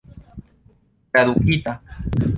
tradukita